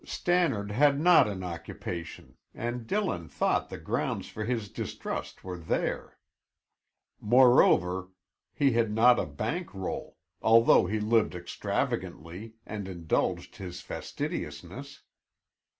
Stannard had not an occupation and Dillon thought the grounds for his distrust were there. Moreover, he had not a bank roll, although he lived extravagantly and indulged his fastidiousness.